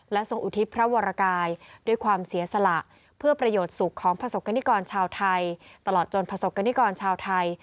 และทรงอุทิศพระวรกายด้วยความเสียสละเพื่อประโยชน์สุขของพระศักดิกรชาวไทย